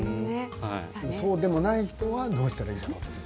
そうでもない人はどうしたらいいかと。